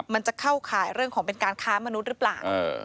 มันจะเข้าข่ายเรื่องของเป็นการค้ามนุษย์หรือเปล่า